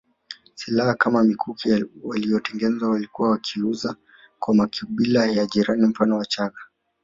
Silaha kama mikuki waliyotengeneza walikuwa wakiiuza kwa makabila ya jirani mfano Wachaga